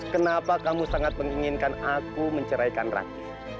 kenapa kamu sangat menginginkan aku menceraikan raki